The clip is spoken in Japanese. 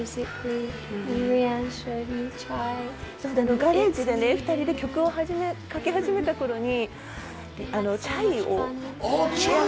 ガレージで２人で曲を書き始めた頃にＣＨＡＩを。